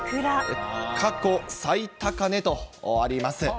過去最高値とあります。